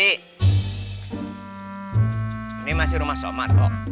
ini masih rumah somad kok